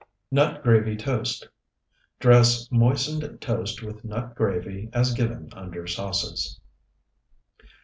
NUT GRAVY TOAST Dress moistened toast with nut gravy as given under sauces.